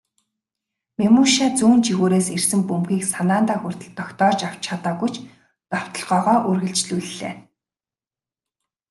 Мемушай зүүн жигүүрээс ирсэн бөмбөгийг санаандаа хүртэл тогтоож авч чадаагүй ч довтолгоогоо үргэлжлүүллээ.